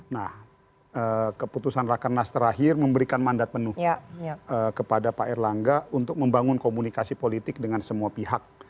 nah keputusan rakernas terakhir memberikan mandat penuh kepada pak erlangga untuk membangun komunikasi politik dengan semua pihak